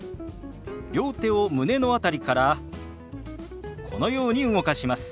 両手を胸の辺りからこのように動かします。